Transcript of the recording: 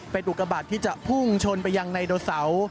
เป็นอุกระบาทที่จะพุ่งชนไปอย่างในดดเสา